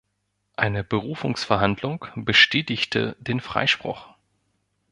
Eine Berufungsverhandlung bestätigte den Freispruch.